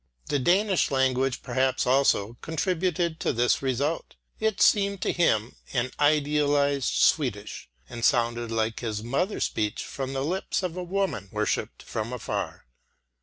The Danish language perhaps also contributed to this result; it seemed to him an idealised Swedish, and sounded like his mother speech from the lips of a woman worshipped from afar.